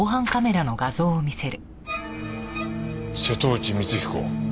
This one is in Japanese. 瀬戸内光彦。